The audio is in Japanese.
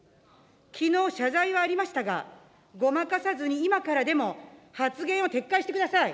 きのう謝罪はありましたが、ごまかさずに今からでも発言を撤回してください。